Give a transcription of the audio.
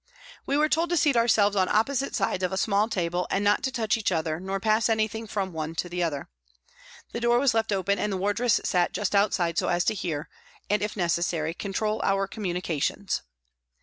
We were told to seat ourselves on opposite sides of a small table and not to touch each other nor pass anything from one to the other. The door was left open and the wardress sat just outside so as to hear, and if necessary control our communications.